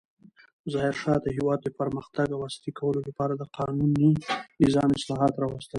ظاهرشاه د هېواد د پرمختګ او عصري کولو لپاره د قانوني نظام اصلاحات راوستل.